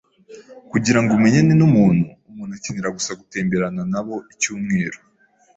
Kugirango umenyane numuntu, umuntu akenera gusa gutemberana nabo icyumweru.